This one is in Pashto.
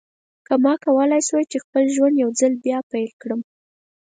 که ما کولای شوای چې خپل ژوند یو ځل بیا پیل کړم.